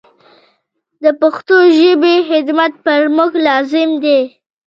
د پښتو ژبي خدمت پر موږ لازم دی.